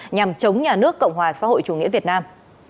nhằm chống nhà nước cộng hòa xã hội chủ nghĩa việt nam